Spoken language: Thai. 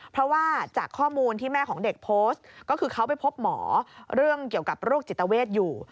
เพราะว่าจากข้อมูลที่แม่ของเด็กโพสต์ก็คือเขาไปพบหมอเรื่องเกี่ยวกับโรคจิตเวทอยู่